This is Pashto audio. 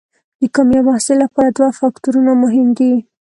د کامیاب محصل لپاره دوه فکتورونه مهم دي.